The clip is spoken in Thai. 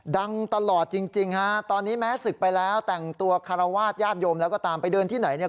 ดังตลอดจริงฮะตอนนี้แม้ศึกไปแล้วแต่งตัวคารวาสญาติโยมแล้วก็ตามไปเดินที่ไหนเนี่ย